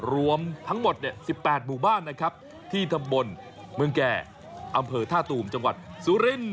รวมทั้งหมด๑๘หมู่บ้านนะครับที่ตำบลเมืองแก่อำเภอท่าตูมจังหวัดสุรินทร์